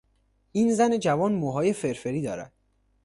این زن جوان موهای فرفری دارد.